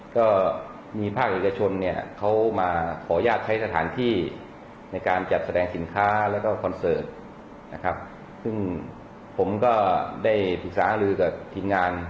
ก็มีพวกเอกชนมาขออนุญาตใช้สถานที่ในการจัดแสดงสินค้าและคอนเซิร์ตผมก็ได้ฝึกษาห้ารือกับทีมงาน